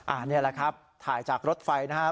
อ่าเนี่ยแหละครับถ่ายจากรถไฟนะฮะ